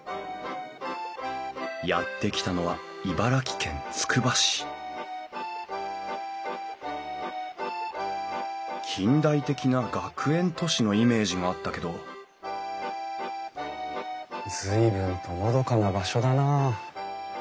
やって来たのは茨城県つくば市近代的な学園都市のイメージがあったけど随分とのどかな場所だなあ。